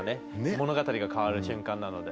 物語が変わる瞬間なので。